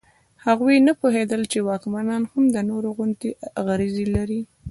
هغوی نه پوهېدل چې واکمنان هم د نورو غوندې غریزې لري.